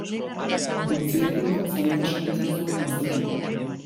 Antzerkirako zaletasuna izan zuen gaztetatik.